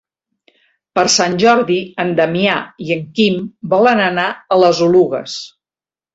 Per Sant Jordi en Damià i en Quim volen anar a les Oluges.